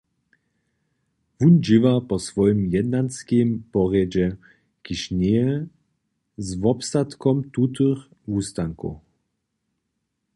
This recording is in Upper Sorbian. Wón dźěła po swojim jednanskim porjedźe, kiž njeje z wobstatkom tutych wustawkow.